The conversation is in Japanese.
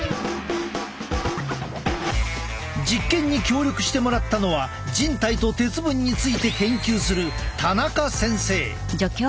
実験に協力してもらったのは人体と鉄分について研究する田中先生。